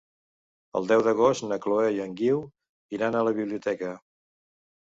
El deu d'agost na Chloé i en Guiu iran a la biblioteca.